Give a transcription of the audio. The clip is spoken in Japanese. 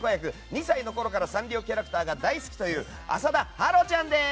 ２歳のころからサンリオキャラクターが大好きという浅田芭路ちゃんです。